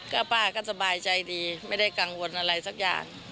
ก็ป้าก็สบายใจดีไม่ได้กังวลอะไรสักอย่าง